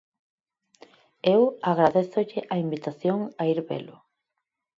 Eu agradézolle a invitación a ir velo.